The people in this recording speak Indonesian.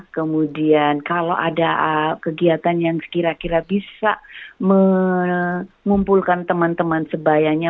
kemudian kalau ada kegiatan yang kira kira bisa mengumpulkan teman teman sebayanya